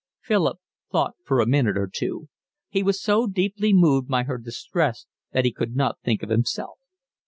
Philip thought for a minute or two. He was so deeply moved by her distress that he could not think of himself.